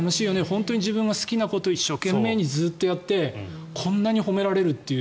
みんな、自分が好きなことを一生懸命やってこんなに褒められるという。